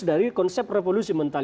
dari konsep revolusi mental